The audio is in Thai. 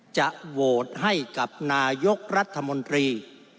จะโหวตให้กับนายกรัฐมนตรี